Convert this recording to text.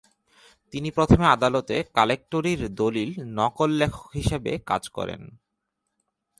তিনি প্রথমে আদালতে কালেক্টরির দলিল নকল লেখক হিসেবে কাজ করেন।